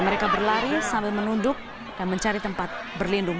mereka berlari sambil menunduk dan mencari tempat berlindung